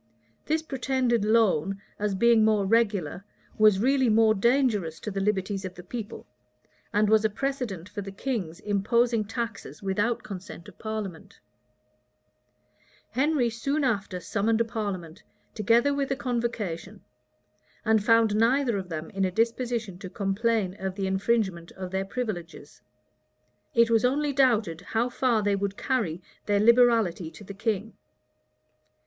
This pretended loan, as being more regular, was really more dangerous to the liberties of the people, and was a precedent for the king's imposing taxes without consent of parliament. * Herbert. Stowe, p. 514. Henry soon after summoned a parliament, together with a convocation; and found neither of them in a disposition to complain of the infringement of their privileges. It was only doubted how far they would carry their liberality to the king.